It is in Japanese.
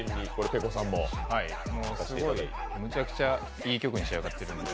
すごいむちゃくちゃいい曲に仕上がってるんで。